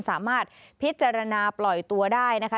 สามารถพิจารณาปล่อยตัวได้นะคะ